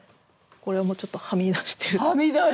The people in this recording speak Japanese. これもちょっとはみ出してる！